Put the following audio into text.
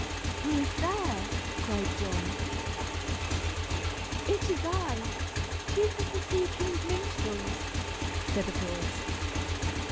"Who is there?" cried John. "It is I chief of the sea king's minstrels," said a voice.